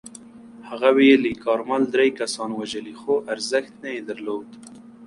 هغه ویلي، کارمل درې کسان وژلي خو ارزښت نه یې درلود.